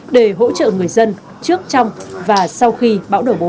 để hỗ trợ người dân trước trong và sau khi bão đổ bộ